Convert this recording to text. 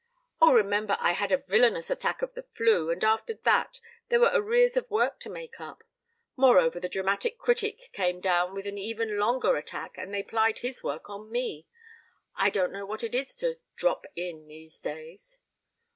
"Oh, remember I had a villainous attack of the flu, and after that there were arrears of work to make up. Moreover, the dramatic critic came down with an even longer attack and they piled his work on me. I don't know what it is to 'drop in' these days."